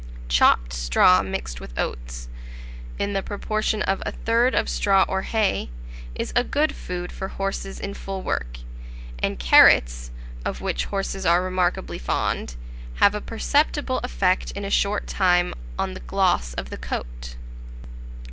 Chopped straw mixed with oats, in the proportion of a third of straw or hay, is a good food for horses in full work; and carrots, of which horses are remarkably fond, have a perceptible effect in a short time on the gloss of the coat.